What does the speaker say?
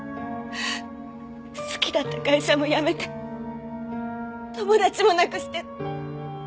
好きだった会社も辞めて友達もなくして。